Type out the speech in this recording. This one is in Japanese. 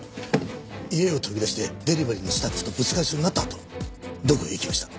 家を飛び出してデリバリーのスタッフとぶつかりそうになったあとどこへ行きました？